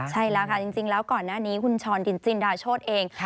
ใช่แล้วค่ะจริงแล้วก่อนหน้านี้คุณช้อนจินดาโชธเอง